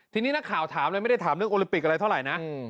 ทีนี้นักข่าวถามเลยไม่ได้ถามเรื่องโอลิปิกอะไรเท่าไหร่นะ